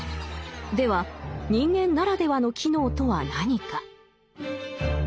では人間ならではの機能とは何か？